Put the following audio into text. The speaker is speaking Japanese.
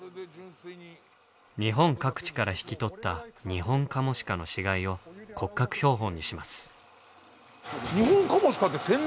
日本各地から引き取ったニホンカモシカの死骸を骨格標本にします。